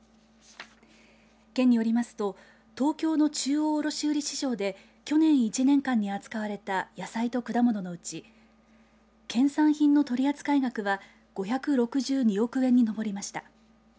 県によりますと東京の中央卸売市場で去年１年間に扱われた野菜と果物のうち県産品の取り扱い額は５６２億円にのぼりました。